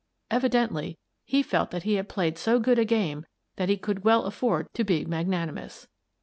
Evidently, he felt that he had played so good a game that he could well afford to be magnanimous.